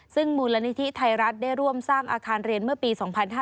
ซึ่งมูลนิธิไทยรัฐได้ร่วมสร้างอาคารเรียนเมื่อปี๒๕๕๙